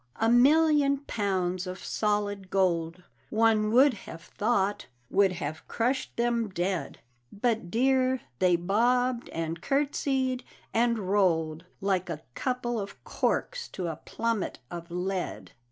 A million pounds of solid gold One would have thought would have crushed them dead; But dear they bobbed, and courtesied, and rolled Like a couple of corks to a plummet of lead.